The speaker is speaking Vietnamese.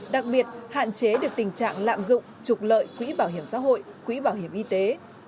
đặc biệt hạn chế được tình trạng lạm dụng trục lợi quỹ bảo hiểm xã hội quỹ bảo hiểm y tế